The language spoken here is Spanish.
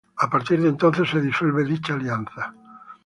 A partir de entonces se disuelve dicha alianza.